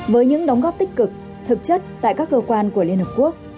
với những đóng góp tích cực thực chất tại các cơ quan của liên hợp quốc